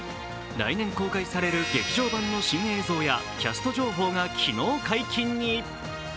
来年公開される劇場版の新映像やキャスト情報が昨日、解禁に。